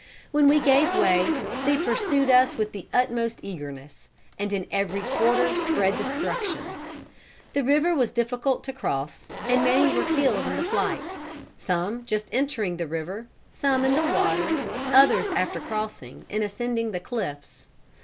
When we gave way, they pursued us with the utmost eagerness, and in every quarter spread destruction. The river was difficult to cross, and many were killed in the flight; some just entering the river, some in the water, others after crossing, in ascending the cliffs.